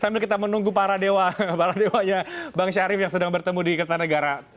sambil kita menunggu para dewa para dewanya bang syarif yang sedang bertemu di kertanegara